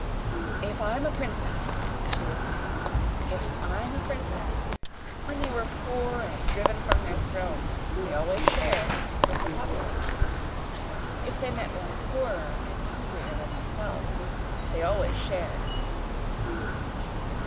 "If I'm a princess," she was saying, "if I'm a princess when they were poor and driven from their thrones they always shared with the populace if they met one poorer and hungrier than themselves. They always shared.